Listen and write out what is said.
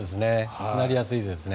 なりやすいですね。